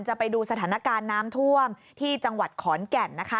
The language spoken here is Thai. ไปดูสถานการณ์น้ำท่วมที่จังหวัดขอนแก่นนะคะ